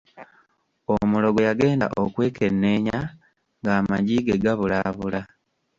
Omulogo yagenda okwekenneenya ng'amagi ge gabulaabula.